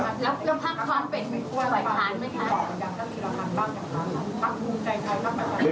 แล้วก็มีราคาตั้งจากภาคภาคภูมิใจใจรักษา